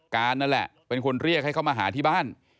การนั่นแหละเป็นคนเรียกให้เขามาหาที่บ้าน